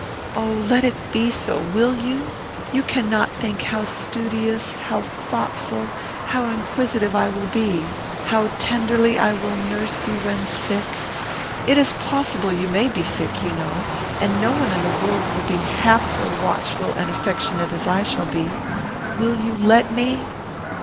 Oh! let it be so, will you? "You cannot think how studious, how thoughtful, how inquisitive, I will be. How tenderly I will nurse you when sick! it is possible you may be sick, you know, and, no one in the world will be half so watchful and affectionate as I shall be. Will you let me?"